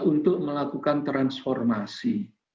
untuk melakukan transformasi